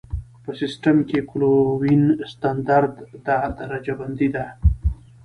په سیسټم کې کلوین ستندرده درجه بندي ده.